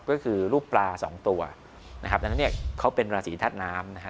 ก็คือรูปปลาสองตัวนะครับดังนั้นเนี่ยเขาเป็นราศีธาตุน้ำนะฮะ